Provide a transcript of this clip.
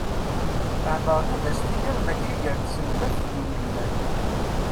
Heddren ad as-tiniḍ mačči gar tselmadt d unelmad.